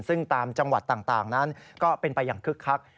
ซึ่งตามจังหวัดต่างนั้นก็เป็นไปอย่างคึกคัก